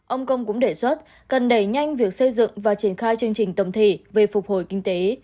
ông công cũng đề xuất cần đẩy nhanh việc xây dựng và triển khai chương trình tổng thể về phục hồi kinh tế